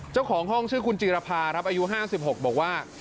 เจ้าของห้องชื่อคุณจีรภาครับอายุ๕๖บอกว่า